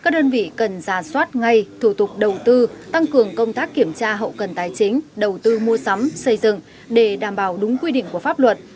các đơn vị cần giả soát ngay thủ tục đầu tư tăng cường công tác kiểm tra hậu cần tài chính đầu tư mua sắm xây dựng để đảm bảo đúng quy định của pháp luật